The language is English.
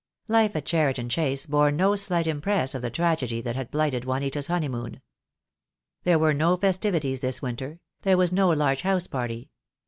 Life at Cheriton Chase bore no slight impress of the tragedy that had blighted Juanita's honeymoon. There were no festivities this winter; there was no large house party.